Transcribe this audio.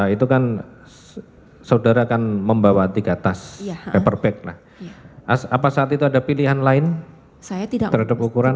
itu kan saudara kan membawa tiga tas paperback apa saat itu ada pilihan lain terhadap ukuran